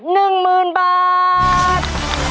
๑หมื่นบาท